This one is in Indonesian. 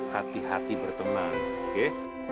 hati hati berteman oke